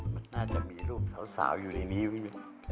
มันน่าจะมีรูปสาวอยู่ในนี้พี่